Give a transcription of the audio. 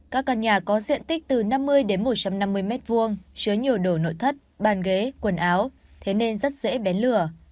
các căn nhà có diện tích từ năm mươi đến một trăm năm mươi m hai chứa nhiều đồ nội thất bàn ghế quần áo thế nên rất dễ bén lửa